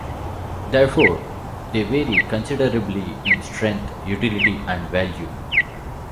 Therefore, they vary considerably in strength, utility, and value.